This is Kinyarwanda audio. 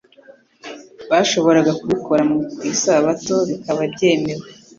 bashoboraga kubikora ku isabato bikaba byemewe.